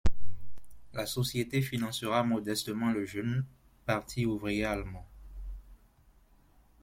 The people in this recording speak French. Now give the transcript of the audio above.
La société financera modestement le jeune Parti ouvrier allemand.